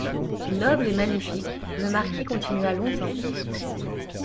Noble et magnifique, le marquis continua longtemps.